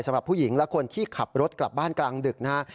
สำหรับผู้หญิงและคนที่ขับรถกลับบ้านกลางดึกนะฮะ